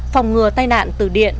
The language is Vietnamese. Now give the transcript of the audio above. phòng ngừa tai nạn từ điện